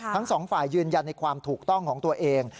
ทั้งสองฝ่ายยืนยันในความถูกต้องของตัวเอง